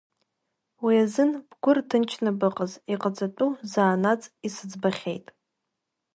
Уи азын бгәы рҭынчны быҟаз, иҟаҵатәу заанаҵ исыӡбахьеит!